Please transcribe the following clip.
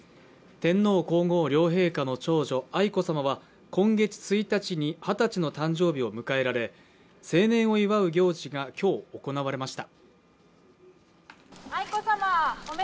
天皇・皇后両陛下の長女、愛子さまは今月１日に二十歳の誕生日を迎えられ、成年を祝う行事が今日、行われました。